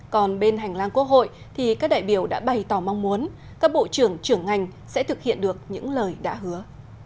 còn bên hành lang quốc hội thì các đại biểu đã bày tỏ mong muốn các bộ trưởng trưởng ngành sẽ thực hiện được những lời đã hứa